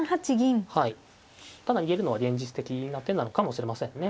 ただ言えるのは現実的な手なのかもしれませんね。